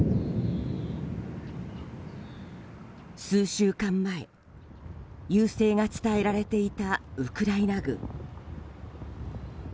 数週間前、優勢が伝えられていたウクライナ軍。